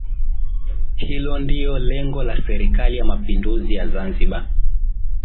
Hilo ndio lengo la Serikali ya Mapinduzi ya Zanzibar